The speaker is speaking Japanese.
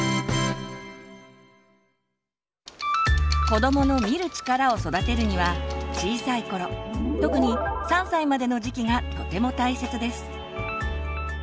子どもの「見る力」を育てるには小さい頃特に３歳までの時期がとても大切です。